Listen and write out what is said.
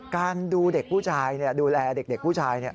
การดูแลเด็กผู้ชาย